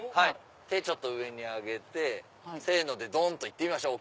手上に上げてせの！でドン！と行ってみましょう。